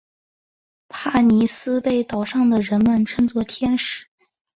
帕妮丝被岛上的人们称作天使。